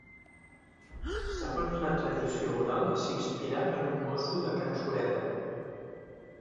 Segons la tradició oral, s'inspirà en un mosso de can Sureda.